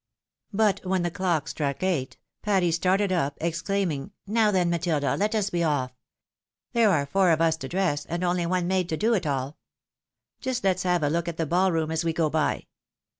Biit when the clock struck eight Patty started up, exclaim ing, " Now, then, Matilda, let us be off. There are four of us to dress, and only one maid to do it all. Just let's have a look at the ball room as we go by.